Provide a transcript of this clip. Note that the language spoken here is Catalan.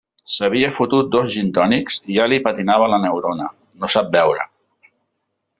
S'havia fotut dos gintònics i ja li patinava la neurona; no sap beure.